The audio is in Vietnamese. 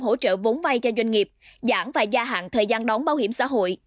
hỗ trợ vốn vay cho doanh nghiệp giảm và gia hạn thời gian đóng bảo hiểm xã hội